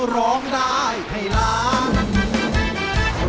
ร้องได้ให้ล้าน